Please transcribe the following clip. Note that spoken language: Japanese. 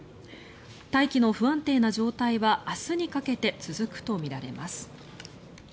大気の不安定な状態は明日にかけて続くとみられます。